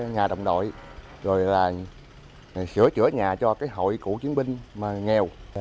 nhà đồng đội rồi là sửa chữa nhà cho cái hội cựu chiến binh nghèo